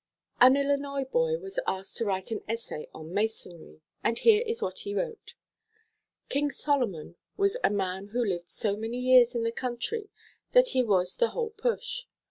_An Illinois boy was asked to write an essay on Masonry, and here is what he wrote: "King Solomon was a man who lived so many years in the country that he was the whole push.